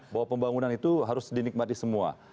bahwa pembangunan itu harus dinikmati semua